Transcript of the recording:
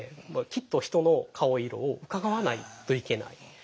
きっと人の顔色をうかがわないといけない。